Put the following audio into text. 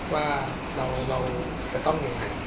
ว่าเราจะต้องยังไง